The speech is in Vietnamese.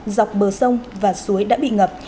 dọc bờ sông và suối đã bị ngập